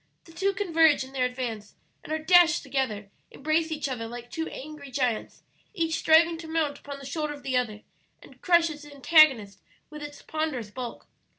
The two converge in their advance, and are dashed together embrace each other like two angry giants, each striving to mount upon the shoulder of the other and crush its antagonist with its ponderous bulk.